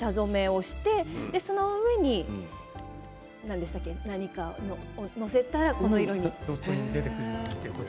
いったん茶染めをして、その上に何かをのせたらこの色に。